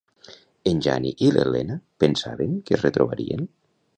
En Jani i l'Elena pensaven que es retrobarien?